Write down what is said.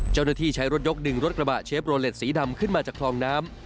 เจ้าหน้าที่ใช้รถยกดึงรถกระบะเชฟโรเล็ตสีดำขึ้นมาจากคลองน้ำ